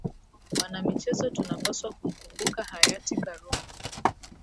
Wanamichezo tunapswa kumkumbuka Hayati Karume